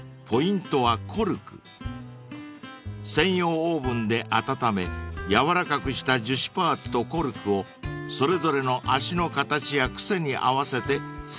［専用オーブンで温め柔らかくした樹脂パーツとコルクをそれぞれの足の形や癖に合わせて成形していくそうです］